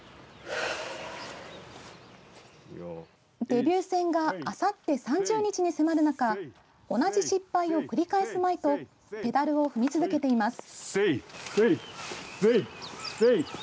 デビュー戦があさって３０日に迫る中同じ失敗を繰り返すまいとペダルを踏み続けています。